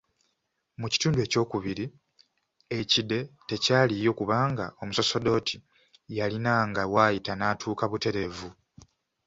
Mu kitundu ekyokubiri, ekide tekyaliyo kubanga omusosodooti yalinanga w’ayita n’atuuka butereevu.